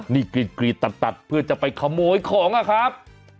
นี่กรีดตัดเพื่อจะไปขโมยของอะครับ